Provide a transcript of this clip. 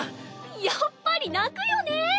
やっぱり泣くよね。